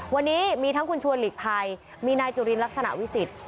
วันนี้มีทั้งคุณชวนหลีกภัยมีนายจุลินลักษณะวิสิทธิ